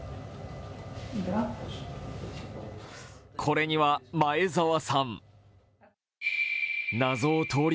これには前澤さん